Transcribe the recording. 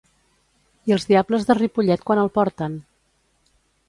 I els Diables de Ripollet quan el porten?